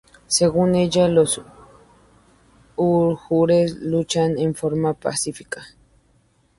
Según ella, los uigures luchan en forma pacífica.